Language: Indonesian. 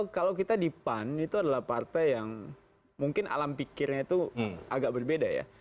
kalau kita di pan itu adalah partai yang mungkin alam pikirnya itu agak berbeda ya